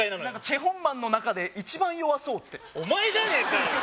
何かチェ・ホンマンの中で一番弱そうってお前じゃねえかよ